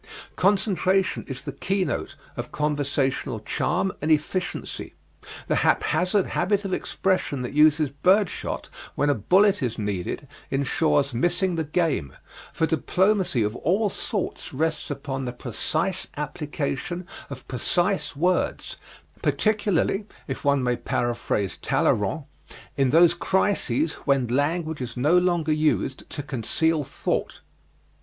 Concentration is the keynote of conversational charm and efficiency. The haphazard habit of expression that uses bird shot when a bullet is needed insures missing the game, for diplomacy of all sorts rests upon the precise application of precise words, particularly if one may paraphrase Tallyrand in those crises when language is no longer used to conceal thought.